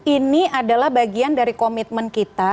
ini adalah bagian dari komitmen kita